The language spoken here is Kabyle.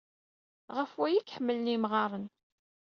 Ɣef waya ay k-ḥemmlen yemɣaren.